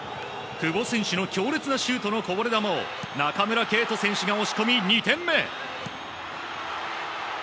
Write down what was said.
久保選手の強烈なシュートのこぼれ球を、中村敬斗選手が押し込み２点目。